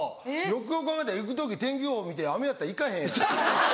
よくよく考えたら行く時天気予報見て雨やったら行かへんやん。